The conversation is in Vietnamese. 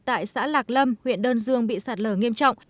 tại xã lạc lâm huyện đơn dương bị sạt lở nghiêm trọng